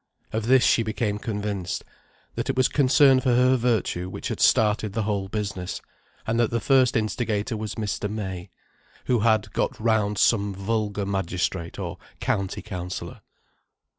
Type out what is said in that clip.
Of this she became convinced, that it was concern for her virtue which had started the whole business: and that the first instigator was Mr. May, who had got round some vulgar magistrate or County Councillor.